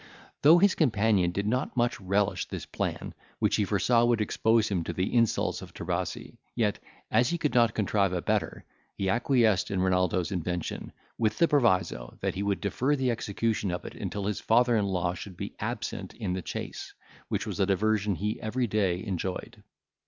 Though his companion did not much relish this plan, which he foresaw would expose him to the insults of Trebasi, yet, as he could not contrive a better, he acquiesced in Renaldo's invention, with the proviso that he would defer the execution of it until his father in law should be absent in the chase, which was a diversion he every day enjoyed.